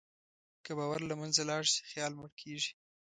که باور له منځه لاړ شي، خیال مړ کېږي.